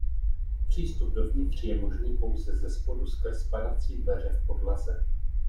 Přístup dovnitř je možný pouze zespodu skrz padací dveře v podlaze.